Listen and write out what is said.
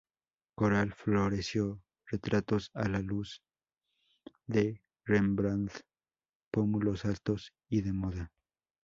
Coral floreció retratos a la luz de Rembrandt; pómulos altos y de moda.